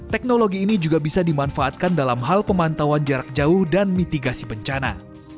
teknologi ini juga bisa dimanfaatkan dalam hal pemantauan jarak jauh dan mitigasi bencana